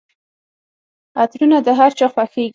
عطرونه د هرچا خوښیږي.